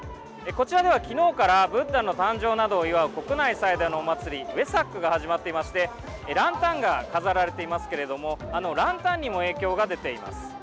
こちらでは、きのうからブッダの誕生などを祝う国内最大のお祭りウェサックが始まっていましてランタンがかざられていますけれどもランタンにも影響が出ています。